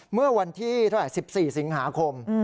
เมื่อวันที่เท่าไหร่๑๔สิงหาคม